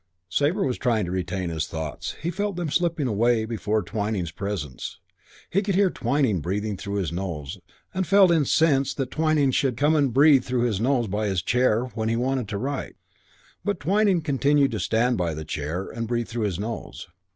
Sabre was trying to retain his thoughts. He felt them slipping away before Twyning's presence. He could hear Twyning breathing through his nose and felt incensed that Twyning should come and breathe through his nose by his chair when he wanted to write. But Twyning continued to stand by the chair and to breathe through his nose.